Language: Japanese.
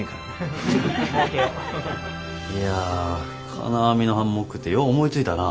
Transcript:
いや金網のハンモックってよう思いついたな。